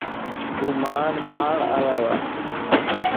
ھو مان پار آيا وا.